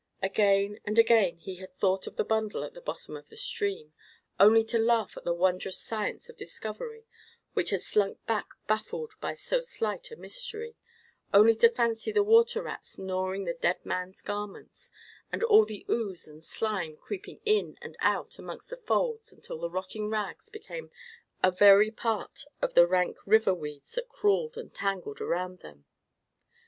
Again and again he had thought of the bundle at the bottom of the stream, only to laugh at the wondrous science of discovery which had slunk back baffled by so slight a mystery, only to fancy the water rats gnawing the dead man's garments, and all the oose and slime creeping in and out amongst the folds until the rotting rags became a very part of the rank river weeds that crawled and tangled round them.